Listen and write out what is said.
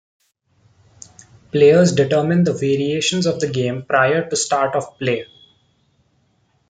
Players determine the variations of the game prior to start of play.